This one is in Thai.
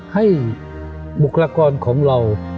บุคลากรของเรา